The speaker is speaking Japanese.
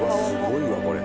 「すごいわこれ」